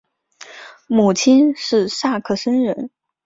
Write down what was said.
母亲是萨克森人。